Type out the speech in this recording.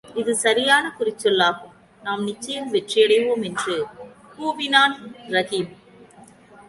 இது சரியான குறிச்சொல்லாகும், நாம் நிச்சயம் வெற்றியடைவோம்! என்று கூவினான் ரஹீம்.